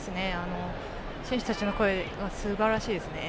選手たちの声はすばらしいですね。